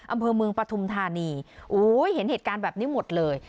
อำเภอเมืองปฐุมธานีโอ้ยเห็นเหตุการณ์แบบนี้หมดเลย